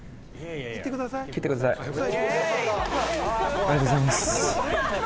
ありがとうございます。